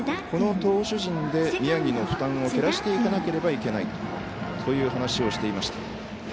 この投手陣で宮城の負担を減らしていかなければいけないと話をしていました。